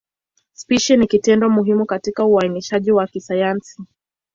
Spishi ni kitengo muhimu katika uainishaji wa kisayansi.